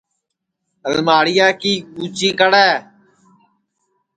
الماڑیا کی کُچی کڑے